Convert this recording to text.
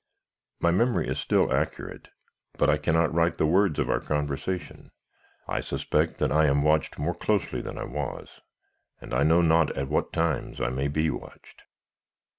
"My memory is still accurate, but I cannot write the words of our conversation. I suspect that I am watched more closely than I was, and I know not at what times I may be watched.